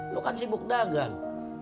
lo kan sibuk dagang